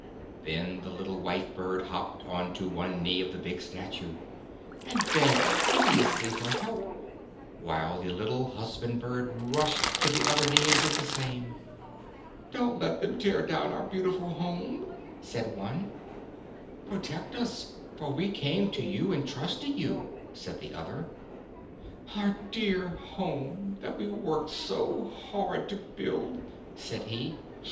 Then the little wife bird hopped on to one knee of the big Statue and begged piteously for help, while the little husband bird rushed to the other knee and did the same. " Don't let them tear down our beautiful home," said one. The Statue and the Birds. i 79 "Protect us, for we came to you and trusted you," said the other. " Our dear home, that we worked so hard to build," said he.